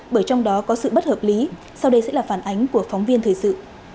bởi trong đó có sự bất hợp lý sau đây sẽ là phản ánh của phóng viên thời sự